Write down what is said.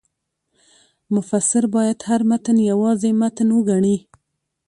مفسر باید هر متن یوازې متن وګڼي.